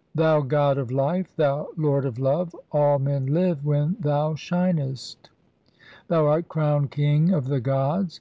. thou "god of life, thou lord of love, all men live when "thou shinest ; thou art crowned king of the gods.